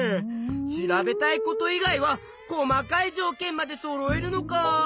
調べたいこと以外は細かいじょうけんまでそろえるのかあ。